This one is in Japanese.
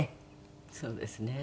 そうですね。